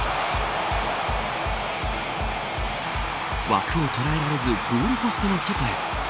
枠を捉えられずゴールポストの外へ。